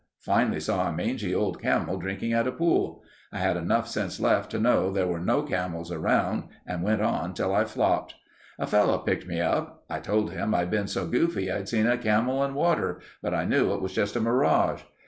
Finally saw a mangy old camel drinking at a pool. I had enough sense left to know there were no camels around and went on till I flopped. A fellow picked me up. I told him I'd been so goofy I'd seen a camel and water, but I knew it was just a mirage.